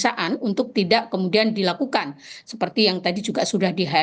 sehingga mestinya relevan dengan bagaimana prinsip prinsip yang diatur dengan hal hal keluarga